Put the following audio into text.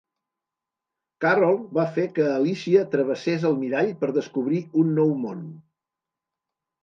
Carroll va fer que Alícia travessés el mirall per descobrir un nou món.